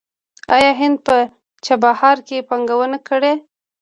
آیا هند په چابهار کې پانګونه کړې؟